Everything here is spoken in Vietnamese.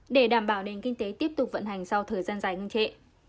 để đảm bảo đền kinh tế tiếp tục vận hành sau thời gian dài ngân trệ